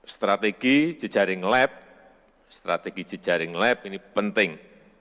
strategi jejaring lab strategi jejaring lab ini penting